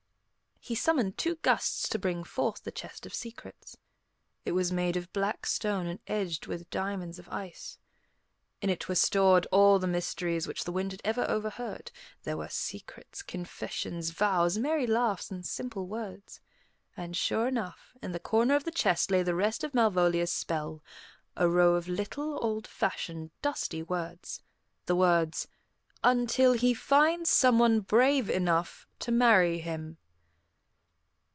He summoned two Gusts to bring forth the chest of secrets. It was made of black stone; and edged with diamonds of ice. In it were stored all the mysteries which the wind had ever overheard; there were secrets, confessions, vows, merry laughs, and simple words. And sure enough, in the corner of the chest lay the rest of Malvolia's spell a row of little, old fashioned, dusty words; the words: "Until he finds someone brave enough to marry him."